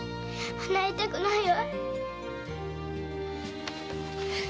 離れたくないわ。